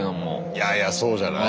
いやいやそうじゃない？